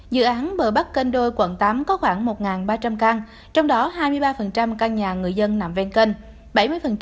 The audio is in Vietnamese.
dự án bờ bắc kênh đôi quận tám có khoảng một ba trăm linh căn trong đó hai mươi ba căn nhà người dân nằm ven kênh